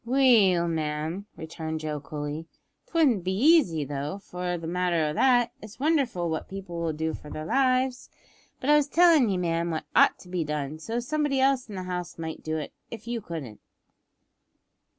"Well, ma'am," returned Joe coolly, "it wouldn't be easy though, for the matter o' that, it's wonderful what people will do for their lives; but I was tellin' ye, ma'am, what ought to be done, so as somebody else in the house might do it, if you couldn't.